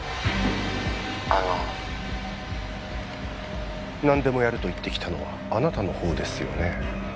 あの何でもやると言ってきたのはあなたの方ですよね？